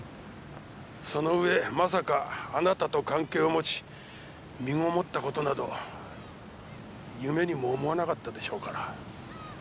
そのうえまさかあなたと関係を持ち身ごもったことなど夢にも思わなかったでしょうから。